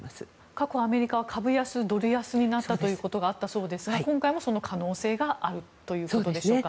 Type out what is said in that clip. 過去、アメリカは株安ドル安になったということがあったそうですが今回もその可能性があるということでしょうか。